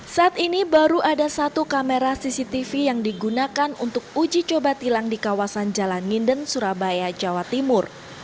saat ini baru ada satu kamera cctv yang digunakan untuk uji coba tilang di kawasan jalan nginden surabaya jawa timur